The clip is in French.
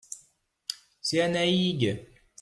c'est Annaig.